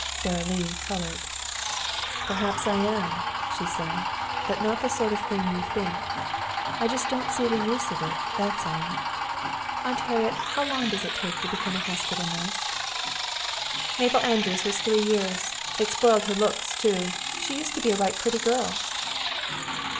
Sara Lee colored. "Perhaps I am," she said; "but not the sort of thing you think. I just don't see the use of it, that's all. Aunt Harriet, how long does it take to become a hospital nurse?" "Mabel Andrews was three years. It spoiled her looks too. She used to be a right pretty girl."